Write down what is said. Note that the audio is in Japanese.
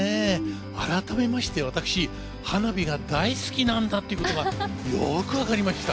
改めまして私、花火が大好きなことが、よくわかりました。